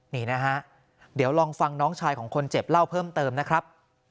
นี่นะฮะเดี๋ยวลองฟังน้องชายของคนเจ็บเล่าเพิ่มเติมนะครับ